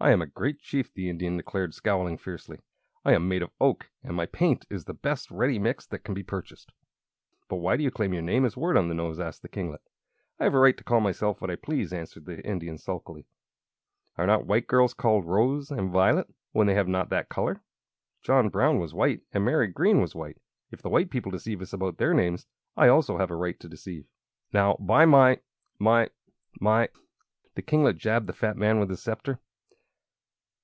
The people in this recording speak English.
"I am a great chief," the Indian declared, scowling fiercely. "I am made of oak, and my paint is the best ready mixed that can be purchased!" "But why do you claim your name is Wart on the Nose?" asked the kinglet. "I have a right to call myself what I please," answered the Indian, sulkily. "Are not white girls called Rose and Violet when they have not that color? John Brown was white and Mary Green was white. If the white people deceive us about their names, I also have a right to deceive." "Now, by my my my " The kinglet jabbed the fat man with his sceptre.